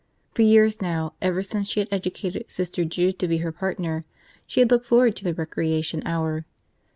For years now, ever since she had educated Sister Jude to be her partner, she had looked forward to the recreation hour.